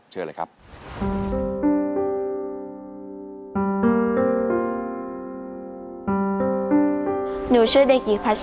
เชื่อเลยครับ